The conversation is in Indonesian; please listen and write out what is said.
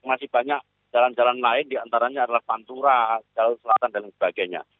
masih banyak jalan jalan lain diantaranya adalah pantura jalur selatan dan sebagainya